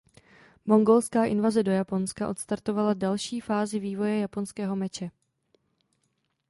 Mongolská invaze do Japonska odstartovala další fázi vývoje japonského meče.